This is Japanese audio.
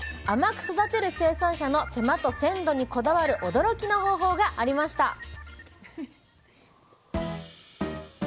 甘く育てる生産者の手間と鮮度にこだわる驚きの方法がありました。